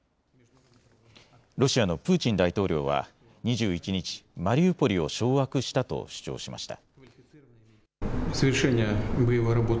ロシアのプーチン大統領は２１日、マリウポリを掌握したと主張しました。